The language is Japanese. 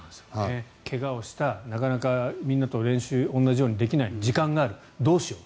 怪我をしたなかなかみんなと練習を同じようにできない時間がある、どうしよう。